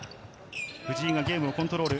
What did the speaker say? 藤井がゲームをコントロール。